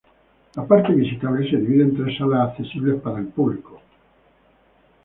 La parte visitable se divide en tres salas accesibles para el público.